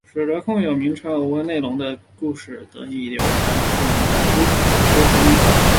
使得空有名称而无内容的故事得以流传于世多年变成都市传说之一。